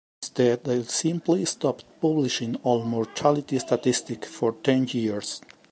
Instead, they simply stopped publishing all mortality statistics for ten years.